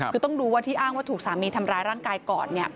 คือต้องดูว่าที่อ้างว่าถูกสามีทำร้ายร่างกายก่อน